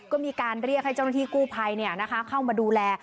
ก็มีการเรียกให้เจ้าหน้าที่กู้ภัยเข้ามาดูแล